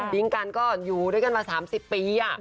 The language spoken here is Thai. ทิ้งกันก็อยู่ด้วยกันมา๓๐ปี